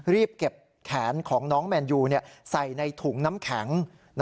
รีบเก็บแขนของน้องแมนยูใส่ในถุงน้ำแข็ง